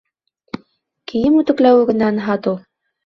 Кейем үтекләүе генә анһат ул.